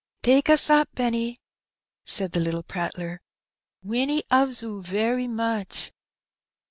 "Take us up, 'enny/' said the little prattler; "Winnie 'oves 'oo very much."